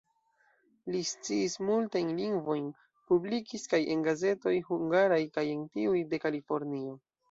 Li sciis multajn lingvojn, publikis kaj en gazetoj hungaraj kaj en tiuj de Kalifornio.